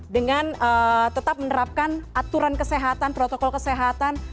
dengan tetap menerapkan aturan kesehatan protokol kesehatan